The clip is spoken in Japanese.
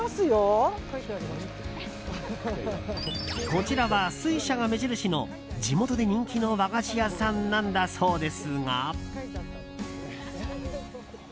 こちらは水車が目印の地元で人気の和菓子屋さんなんだそうですが。